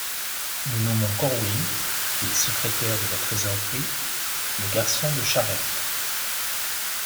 Nous nommons Corwin, qui est secrétaire de la trésorerie, le garçon de charrette.